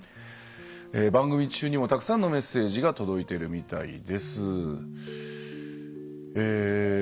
番組中にもたくさんのメッセージが届いてるみたいです。